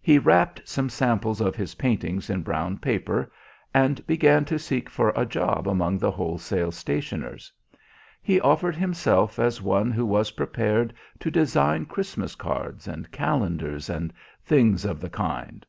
He wrapped some samples of his paintings in brown paper, and began to seek for a job among the wholesale stationers. He offered himself as one who was prepared to design Christmas cards and calendars, and things of the kind.